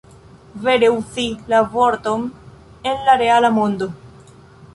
Vere uzi la lingvon en la reala mondo."